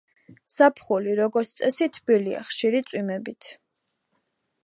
ზაფხული როგორც წესი თბილია, ხშირი წვიმებით.